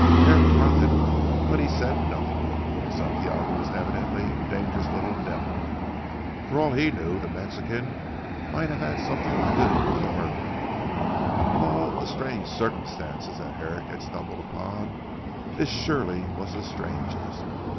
Herrick grunted, but he said nothing. Santiago was evidently a dangerous little devil. For all he knew the Mexican might have had something to do with the murder. Of all strange circumstances that Herrick had stumbled upon this surely was the strangest!